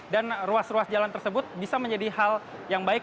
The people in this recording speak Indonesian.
dan ruas ruas jalan tersebut bisa menjadi hal yang baik